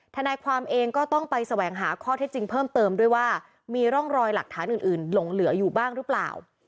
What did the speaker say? ทนายความเองก็ต้องไปแสวงหาข้อเท็จจริงเพิ่มเติมด้วยว่ามีร่องรอยหลักฐานอื่นหลงเหลืออยู่บ้างหรือเปล่า